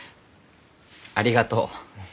ありがとう。